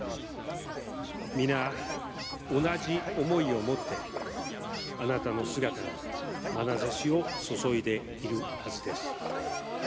皆、同じ思いを持ってあなたの姿にまなざしを注いでいるはずです。